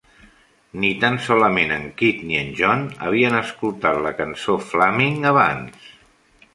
Ni tan solament en Kid ni en John havien escoltat la cançó Flaming abans.